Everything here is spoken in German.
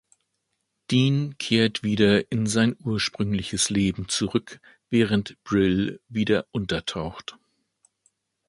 Dean kehrt wieder in sein ursprüngliches Leben zurück, während Brill wieder untertaucht.